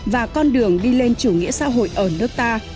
và con đường đi lên chủ nghĩa xã hội ở nước ta